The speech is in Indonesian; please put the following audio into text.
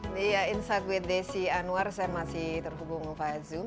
di insight with desi anwar saya masih terhubung via zoom